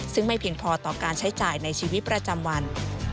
ซึ่งไม่เพียงพอต่อการใช้จ่ายในชีวิตประจำวัน